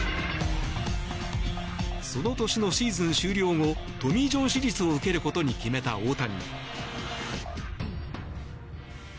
その年のシーズン終了後トミー・ジョン手術を受けることに決めた大谷。